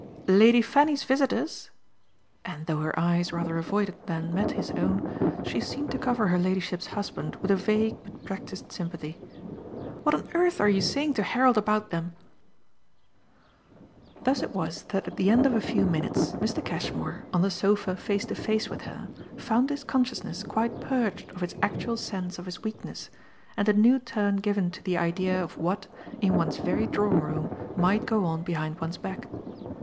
"Lady Fanny's visitors?" and, though her eyes rather avoided than met his own, she seemed to cover her ladyship's husband with a vague but practised sympathy. "What on earth are you saying to Harold about them?" Thus it was that at the end of a few minutes Mr. Cashmore, on the sofa face to face with her, found his consciousness quite purged of its actual sense of his weakness and a new turn given to the idea of what, in one's very drawing room, might go on behind one's back.